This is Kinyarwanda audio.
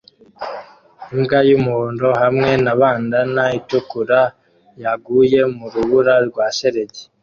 Imbwa y'umuhondo hamwe na bandanna itukura yaguye mu rubura rwa shelegi